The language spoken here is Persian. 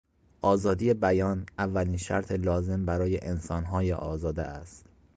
آزادی بیان اولین شرط لازم برای انسانهای آزاده است.